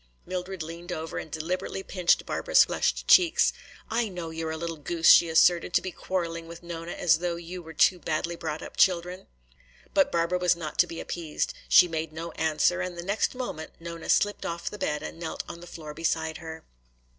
Mildred leaned over and deliberately pinched Barbara's flushed cheeks. "I know you are a little goose," she asserted, "to be quarreling with Nona as though you were two badly brought up children." But Barbara was not to be appeased. She made no answer, and the next moment Nona slipped off the bed and knelt on the floor beside her.